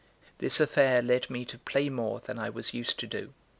This affair led me to play more than I was used to do.